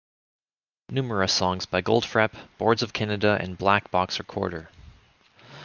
Numerous songs by Goldfrapp, Boards of Canada and Black Box Recorder.